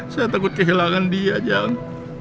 saya takut kehilangan dia jalan